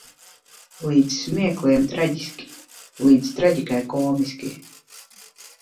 Līdz smiekliem traģiski. Līdz traģikai komiski.